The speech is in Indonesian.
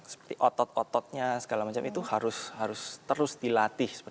seperti otot ototnya segala macam itu harus terus dilatih